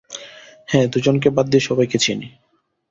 হ্যাঁ, দু জনকে বাদ দিয়ে সবাইকে চিনি।